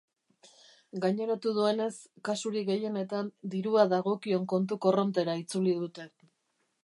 Gaineratu duenez, kasurik gehienetan dirua dagokion kontu korrontera itzuli dute.